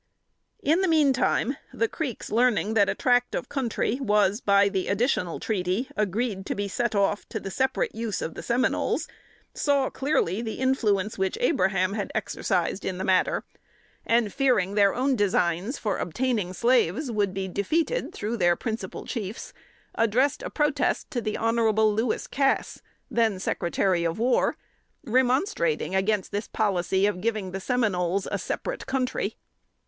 In the meantime, the Creeks learning that a tract of country was, by the additional treaty, agreed to be set off to the separate use of the Seminoles, saw clearly the influence which Abraham had exercised in the matter, and, fearing their own designs for obtaining slaves would be defeated through their principal chiefs, addressed a protest to the Hon. Lewis Cass, then Secretary of War, remonstrating against the policy of giving the Seminoles a separate country.